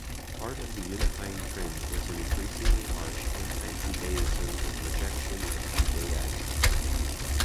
Part of the unifying trend was an increasingly harsh anti-Judaism and rejection of Judaizers.